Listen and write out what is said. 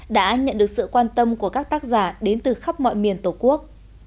đã nhận được sự quan tâm của các tác giả đến từ khắp mọi miền tổ quốc